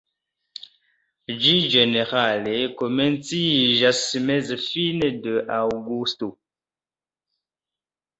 Ĝi ĝenerale komenciĝas meze-fine de aŭgusto.